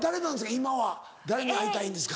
今は誰に会いたいんですか？